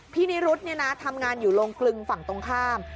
นิรุธทำงานอยู่โรงกลึงฝั่งตรงข้าม